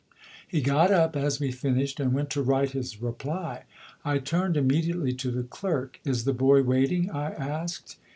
He got up as we finished and went to write his reply: I turned immediately to the clerk. "Is the boy waiting?" I asked.